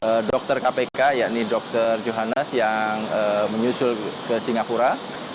penyidik kpk dan juga satu orang dokter kpk yakni dokter johannes yang menyusul ke singapura